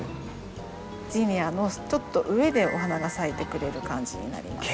ジニアのちょっと上でお花が咲いてくれる感じになります。